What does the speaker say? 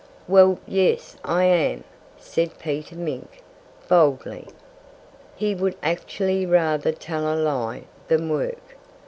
"Well yes, I am!" said Peter Mink, boldly. He would actually rather tell a lie than work.